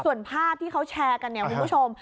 ส่วนภาพที่เขาแชร์กันเนี่ยคุณผู้ชม